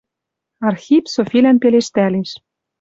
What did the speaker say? Архип Софилӓн пелештӓлеш.